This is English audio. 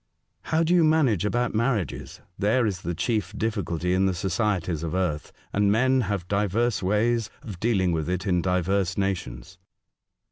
" How do you manage about marriages ? There is the chief difficulty in the societies of earth, and men have divers ways of dealing with it in divers nations."